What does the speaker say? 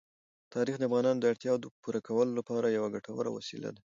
تاریخ د افغانانو د اړتیاوو د پوره کولو لپاره یوه ګټوره وسیله ده.